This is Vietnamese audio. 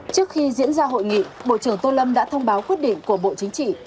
trước khi diễn ra hội nghị bộ trưởng tô lâm đã thông báo quyết định của bộ chính trị